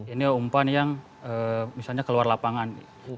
ini umpan yang misalnya keluar lapangan